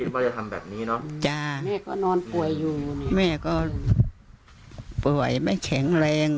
ไม่คิดว่าจะทำแบบนี้เนอะแม่ก็นอนป่วยอยู่แม่ก็ป่วยไม่แข็งแรง